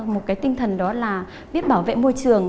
một cái tinh thần đó là biết bảo vệ môi trường